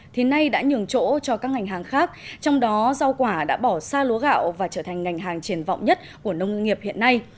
thì nay đã nhường chỗ cho các ngành hàng khác trong đó rau quả đã bỏ xa lúa gạo và trở thành ngành hàng triển vọng nhất của nông nghiệp hiện nay